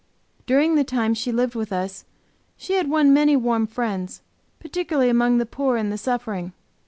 During the time she lived with us she had won many warm friends, particularly among the poor and the suffering.